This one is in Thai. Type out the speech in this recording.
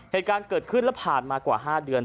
เหตุการณ์เกิดขึ้นแล้วผ่านมากว่า๕เดือน